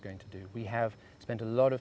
kami telah menghabiskan banyak waktu